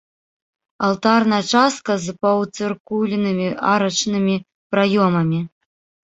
Алтарная частка з паўцыркульнымі арачнымі праёмамі.